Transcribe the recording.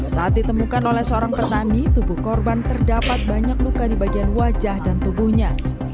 saat ditemukan oleh seorang petani tubuh korban terdapat banyak luka di bagian wajah dan tubuhnya